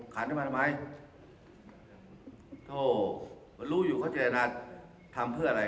ขันได้มาทำไมโทษรู้อยู่เขาเจตนานทำเพื่ออะไร